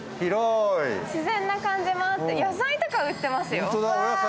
自然な感じもあって、野菜とかも売ってますよ。